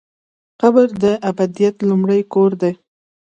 قبر د ابدیت لومړی کور دی؟